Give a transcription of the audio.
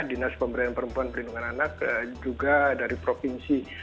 dinas pemberdayaan perempuan perlindungan anak juga dari provinsi